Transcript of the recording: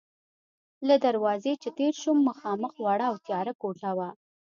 له دروازې چې تېر شوم، مخامخ وړه او تیاره کوټه وه.